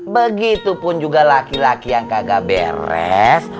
begitupun juga laki laki yang kagak beres